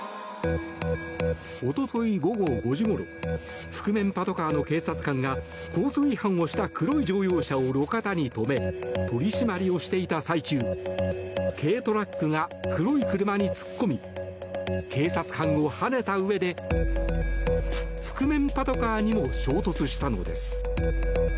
おととい午後５時ごろ覆面パトカーの警察官が交通違反をした黒い乗用車を路肩に止め取り締まりをしていた最中軽トラックが黒い車に突っ込み警察官をはねたうえで覆面パトカーにも衝突したのです。